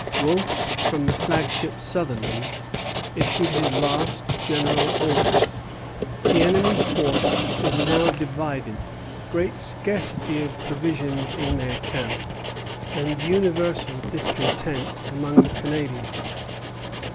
Wolfe, from the flagship "Sutherland," issued his last general orders. "The enemy's force is now divided, great scarcity of provisions in their camp, and universal discontent among the Canadians.